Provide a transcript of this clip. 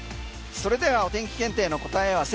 それではお天気検定の答え合わせ。